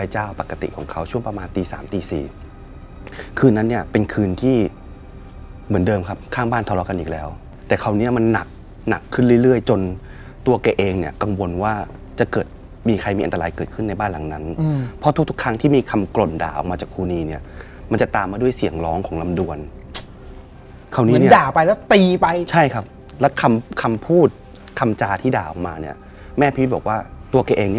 เหมือนเดิมครับข้างบ้านทะเลาะกันอีกแล้วแต่คราวนี้มันหนักขึ้นเรื่อยจนตัวเกะเองเนี่ยกังวลว่าจะเกิดมีใครมีอันตรายเกิดขึ้นในบ้านหลังนั้นเพราะทุกครั้งที่มีคำกล่นด่าออกมาจากครูนีเนี่ยมันจะตามมาด้วยเสียงร้องของลำดวนเหมือนด่าไปแล้วตีไปใช่ครับแล้วคำพูดคำจาที่ด่าออกมาเนี่ยแม่พิวิ